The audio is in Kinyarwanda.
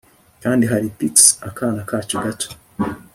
kandi hari Pixie akana kacu gato